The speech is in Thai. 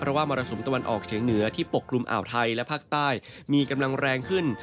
เพราะว่ามรสุมตะวันออกเฉียงเหนือที่ปกกลุ่มอ่าวไทยและภาคใต้มีกำลังแรงขึ้น